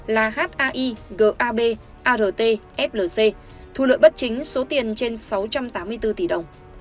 là hi gab art flc thu lợi bất chính số tiền trên sáu trăm tám mươi bốn tỷ đồng